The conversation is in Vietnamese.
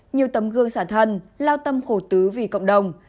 nhiều tấm gương xả thân lao tâm khổ tứ vì cộng đồng